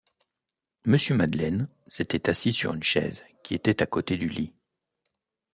Monsieur Madeleine s’était assis sur une chaise qui était à côté du lit.